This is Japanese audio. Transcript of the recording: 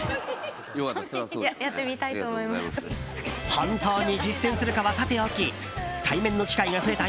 本当に実践するかはさておき対面の機会が増えた